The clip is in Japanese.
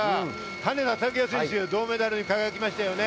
羽根田卓也選手、銅メダルに輝きましたね。